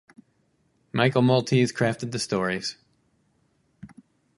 Michael Maltese crafted the stories.